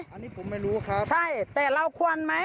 อันนี้ผมไม่รู้ครับใช่แต่เราควรไหม